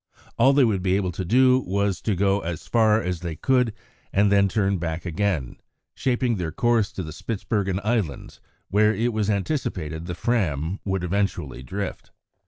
All they would be able to do was to go as far as they could and then turn back again, shaping their course to the Spitzbergen Islands, where it was anticipated the Fram would eventually drift.